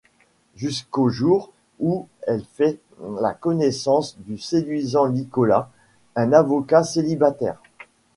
Jusqu'au jour où elle fait la connaissance du séduisant Nicolas, un avocat célibataire...